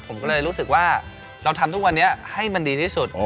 ผมก็เลยรู้สึกว่าเราทำทุกวันนี้ให้มันดีที่สุด